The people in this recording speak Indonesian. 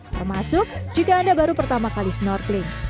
termasuk jika anda baru pertama kali snorkeling